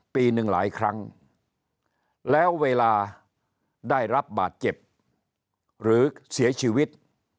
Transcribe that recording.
ปีหนึ่งหลายครั้งแล้วเวลาได้รับบาดเจ็บหรือเสียชีวิต